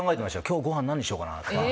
今日のごはんは何にしようかなと。